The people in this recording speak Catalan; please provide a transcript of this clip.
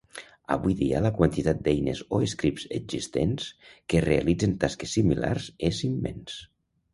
Avui dia la quantitat d'eines o scripts existents, que realitzen tasques similars, és immens.